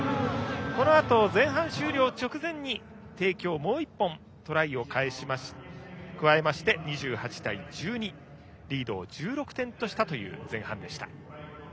このあと、前半終了直前に帝京はもう１本トライを加えて２８対１２とリードを１６点とした前半でした。